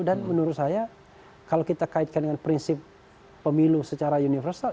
dan menurut saya kalau kita kaitkan dengan prinsip pemilu secara universal